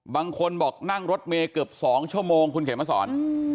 บางคนบอกนั่งรถเมย์เกือบ๒ชั่วโมงคุณเขียนมาสอน